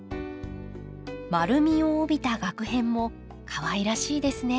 丸みを帯びたがく片もかわいらしいですね。